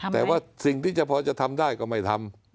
แต่ว่าสิ่งที่จะพอจะทำได้ก็ไม่ทำ